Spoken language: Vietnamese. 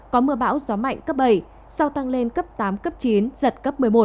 có mưa bão gió mạnh cấp bảy sau tăng lên cấp tám cấp chín giật cấp một mươi một